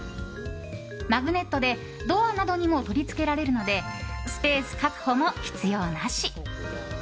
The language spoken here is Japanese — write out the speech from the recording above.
マグネットでドアなどにも取り付けられるのでスペース確保も必要なし。